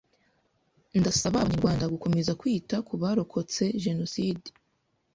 ndasaba Abanyarwanda gukomeza kwita ku barokotse Jenoside.